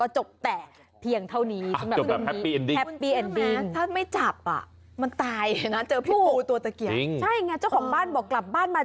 ใช่ไงเจ้าของบ้านบอกกลับบ้านมา